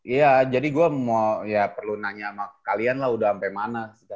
iya jadi gue ya perlu nanya sama kalian lah udah sampai mana